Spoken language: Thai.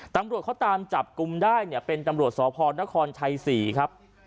ตำรวจเขาตามจับกลุ่มได้เนี่ยเป็นตำรวจสพนครชัยศรีครับ